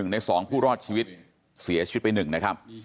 ใน๒ผู้รอดชีวิตเสียชีวิตไป๑นะครับ